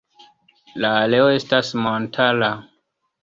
La areo estas montara.